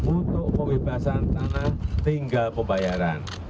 untuk pembebasan tanah tinggal pembayaran